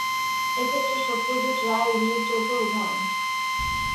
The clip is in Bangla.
এক্ষেত্রে সত্যজিৎ রায় উল্লেখযোগ্য উদাহরণ।